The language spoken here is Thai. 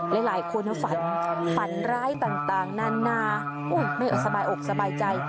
หลายหลายคนเอาฝันฝันร้ายต่างต่างนานนาอุ้ยไม่สบายอกสบายใจ